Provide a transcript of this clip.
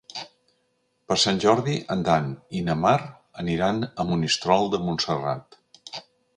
Per Sant Jordi en Dan i na Mar aniran a Monistrol de Montserrat.